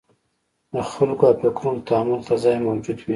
د خلکو او فکرونو تامل ته ځای موجود وي.